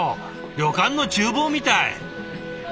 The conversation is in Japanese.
旅館のちゅう房みたい！